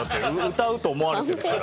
歌うと思われてるから。